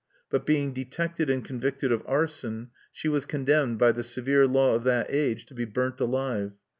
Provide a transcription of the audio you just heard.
But being detected and convicted of arson, she was condemned by the severe law of that age to be burnt alive.